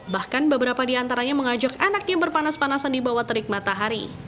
bahkan beberapa di antaranya mengajak anaknya berpanas panasan di bawah terik matahari